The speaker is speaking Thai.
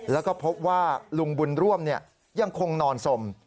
แล้วก็พบว่าลุงบุญร่วมยังคงนอนสม